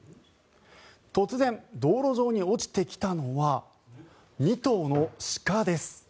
突然、道路上に落ちてきたのは２頭の鹿です。